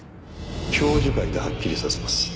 教授会ではっきりさせます。